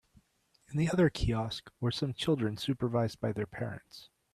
In the other kiosk were some children supervised by their parents.